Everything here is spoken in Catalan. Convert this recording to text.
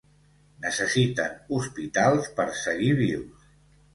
Necessiten hospitals per seguir vius.